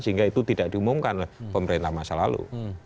sehingga itu tidak diumumkan oleh pemerintah masa lalu